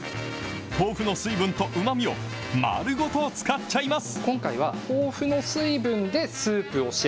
豆腐の水分とうまみを丸ごと使っちゃいます。